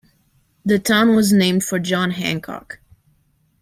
The town was named for John Hancock.